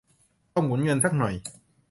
ต้องหมุนเงินสักหน่อย